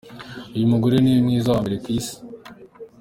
Uyu mugore niwe mwiza wa mbere ku isi.